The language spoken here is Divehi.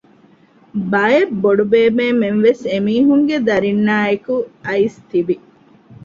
ބައެއް ބޮޑުބޭބެމެންވެސް އެމީހުންގެ ދަރިންނާއެކު އައިސް ތިވި